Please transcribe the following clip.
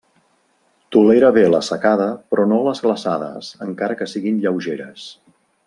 Tolera bé la secada però no les glaçades encara que siguin lleugeres.